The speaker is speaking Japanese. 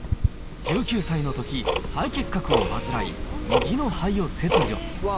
１９歳のとき、肺結核を患い、右の肺を切除。